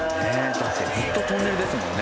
だってずっとトンネルですもんね。